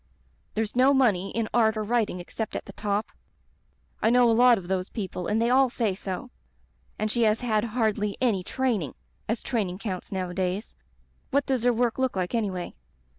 There's no money in art or writing except at the top. I know a lot of those people and they all say so. And she has had hardly any training — as training counts nowadays. )^at does her work look like anyway?'